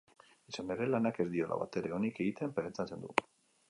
Izan ere, lanak ez diola batere onik egiten pentsatzen du.